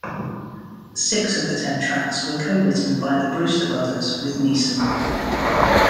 Six of the ten tracks were co-written by the Brewster brothers with Neeson.